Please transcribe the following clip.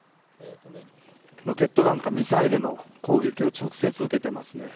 ロケット弾かミサイルの攻撃を直接受けてますね。